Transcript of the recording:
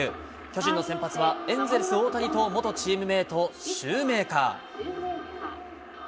巨人の先発はエンゼルス、大谷と元チームメート、シューメーカー。